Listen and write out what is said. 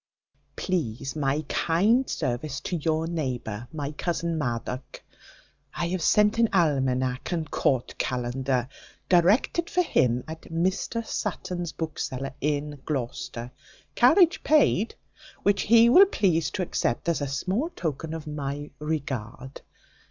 Please my kind service to your neighbour, my cousin Madoc I have sent an Almanack and Court kalendar, directed for him at Mr Sutton's, bookseller, in Gloucester, carriage paid, which he will please to accept as a small token of my regard.